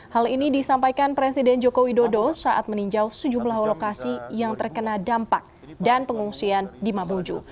hal ini disampaikan presiden joko widodo saat meninjau sejumlah lokasi yang terkena dampak dan pengungsian di mabuju